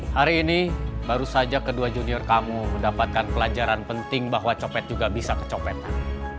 hari ini baru saja kedua junior kamu mendapatkan pelajaran penting bahwa copet juga bisa kecopetan